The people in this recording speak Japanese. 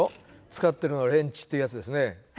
使ってるのはレンチってやつですね。